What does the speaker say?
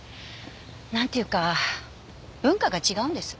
なんていうか文化が違うんです。